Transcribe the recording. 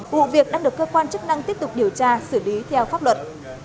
vụ việc đang được cơ quan chức năng tiếp tục điều tra xử lý theo pháp luật